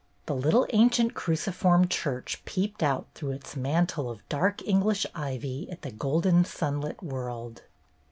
The little ancient cruciform church peeped out through its mantle of dark English ivy at the golden sunlit world.